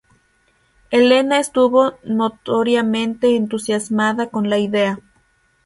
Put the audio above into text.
Helena estuvo notoriamente entusiasmada con la idea.